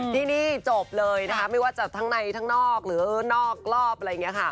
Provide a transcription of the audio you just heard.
ที่นี่จบเลยนะคะไม่ว่าจะทั้งในทั้งนอกหรือนอกรอบอะไรอย่างนี้ค่ะ